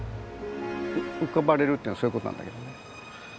「浮かばれる」っていうのはそういうことなんだけどね。